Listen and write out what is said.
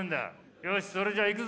よしそれじゃいくぞ！